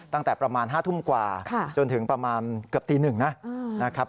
ตั้งแต่ประมาณ๕ทุ่มกว่าจนถึงประมาณเกือบตี๑นะครับ